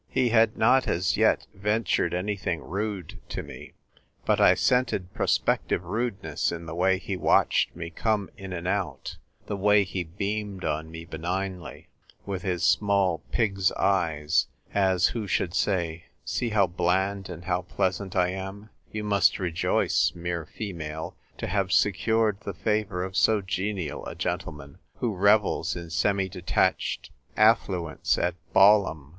He had not as yet ventured anything rude to me ; but I scented prospective rudeness in the way he watched me come in and out — the way he beamed on me benignly, with his small pig's eyes, as who should say, " See how bland and how pleasant I am ; you must rejoice, mere female, to have secured the favour of so genial a gentleman, who revels in semi detached affluence at Balham."